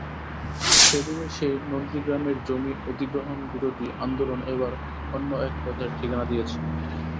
সেদিনের সেই নন্দীগ্রামের জমি অধিগ্রহণবিরোধী আন্দোলন এবার অন্য এক পথের ঠিকানা দিয়েছে।